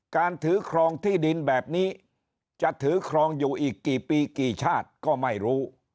การถือครองที่ดินแบบนี้จะถือครองอยู่อีกกี่ปีกี่ชาติก็ไม่รู้